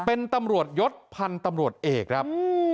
เป็นตำรวจยศพันธุ์ตำรวจเอกครับ